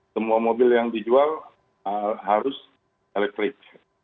semua mobil yang dijual harus elektrik